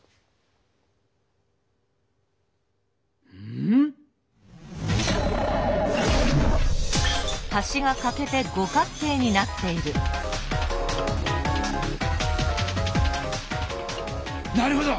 ん⁉なるほど！